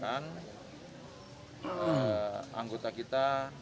dan anggota kita